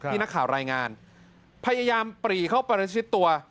นักข่าวรายงานพยายามปรีเข้าไปประชิดตัว